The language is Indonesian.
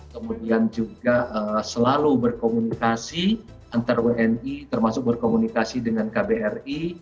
kemudian juga selalu berkomunikasi antar wni termasuk berkomunikasi dengan kbri